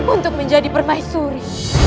untuk menjadi permaisuri